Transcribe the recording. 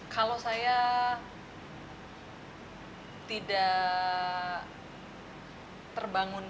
kalau saya tidak terbangunkan